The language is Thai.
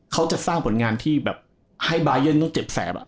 เขาจะสร้างผลงานที่แบบให้บายันต้องเจ็บแสบ